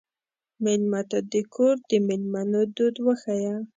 مېلمه ته د کور د مېلمنو دود وښیه.